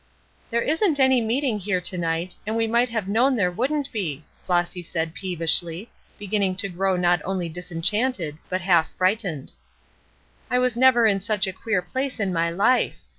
"There isn't any meeting here to night, and we might have known there wouldn't be," Flossy said, peevishly, beginning to grow not only disenchanted but half frightened. "I was never in such a queer place in my life!